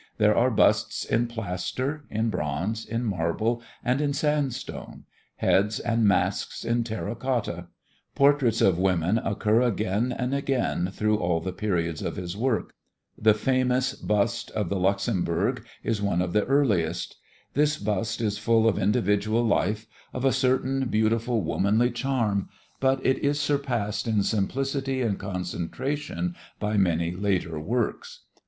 There are busts in plaster, in bronze, in marble and in sand stone, heads and masks in terra cotta. Portraits of women occur again and again through all the periods of his work. The famous bust of the Luxembourg is one of the earliest. This bust is full of individual life, of a certain beautiful, womanly charm, but it is surpassed in simplicity and concentration by many later works.